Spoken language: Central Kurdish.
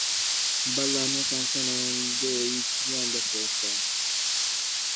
بەڵام یەکیان چەند ئەوەندەی ئەوی تریان دەفرۆشرا